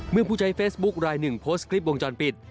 เมื่อผู้ใช้เฟซบุ๊กไลน์หนึ่งโพสต์คลิปวงจรปิด